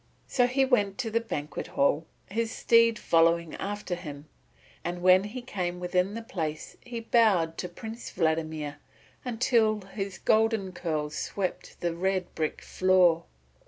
So he went to the banquet hall, his steed following after him; and when he came within the place he bowed to Prince Vladimir until his golden curls swept the red brick floor.